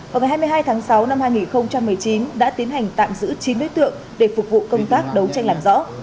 vào ngày hai mươi hai tháng sáu năm hai nghìn một mươi chín đã tiến hành tạm giữ chín đối tượng để phục vụ công tác đấu tranh làm rõ